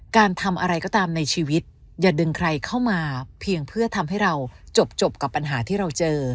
การทำอะไรก็ตามในชีวิตอย่าดึงใครเข้ามาเพียงเพื่อทำให้เราจบกับปัญหาที่เราเจอ